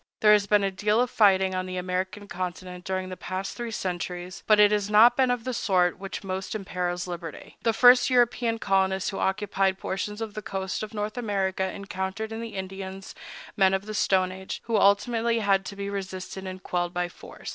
There has been a deal of fighting on the American continent during the past three centuries; but it has not been of the sort which most imperils liberty. The first European colonists who occupied portions of the coast of North America encountered in the Indians men of the Stone Age, who ultimately had to be resisted and quelled by force.